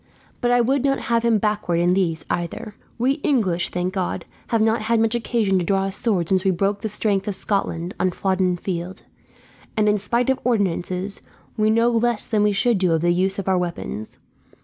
But I would not have him backward in these, either. We English, thank God, have not had much occasion to draw a sword since we broke the strength of Scotland on Flodden Field; and in spite of ordinances, we know less than we should do of the use of our weapons.